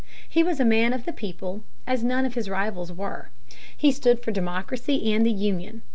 He was a man of the people, as none of his rivals were. He stood for democracy and the Union.